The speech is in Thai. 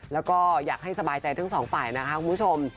แล้วก็อยากให้สบายใจทั้งสองฝ่ายนะคะคุณผู้ชม